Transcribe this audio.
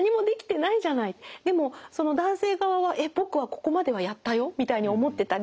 でも男性側はえっ僕はここまではやったよみたいに思ってたりする。